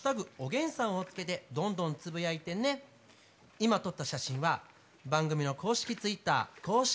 今撮った写真は番組の公式ツイッター公式